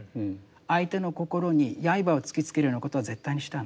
相手の心に刃を突きつけるようなことは絶対にしてはならない。